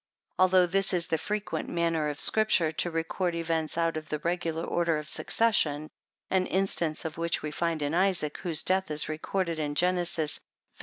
Although this is the frequent manner of Scripture, to record events out of the regular order of succession, (an instance of which we find in Isaac, whose death is recorded in Gen. xxxv.